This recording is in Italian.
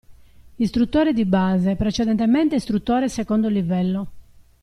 Istruttore di base, precedentemente Istruttore II° livello.